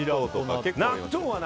納豆はね